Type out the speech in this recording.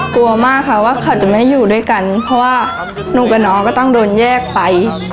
กลัวมากค่ะว่าเขาจะไม่อยู่ด้วยกันเพราะว่าหนูกับน้องก็ต้องโดนแยกไป